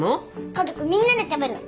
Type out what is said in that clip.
家族みんなで食べるの。